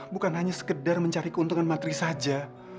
bukan hanya sekedar mencari keuntungan materi saja